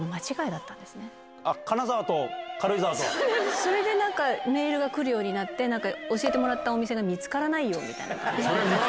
それでなんかメールが来るようになって、教えてもらったお店が見つからないよみたいな感じで。